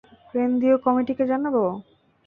কেন্দ্রীয় কমিটিকে জানাবো?